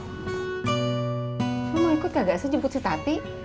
jak lo mau ikut gak sih jemput si tati